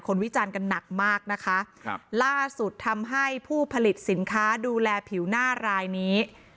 วิจารณ์กันหนักมากนะคะครับล่าสุดทำให้ผู้ผลิตสินค้าดูแลผิวหน้ารายนี้